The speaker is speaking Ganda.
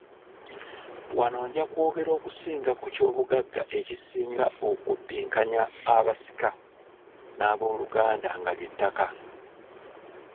Wano nja kwogera okusinga ku ky'obugagga ekisinga okubbinkanya abasika n'abooluganda nga ly'ettaka.